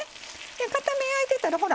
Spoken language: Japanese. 片面焼いてたらほら